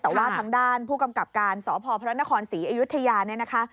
ทางด้านผู้กำกับการสพนครศรีอยุธยาเนี่ยนะคะ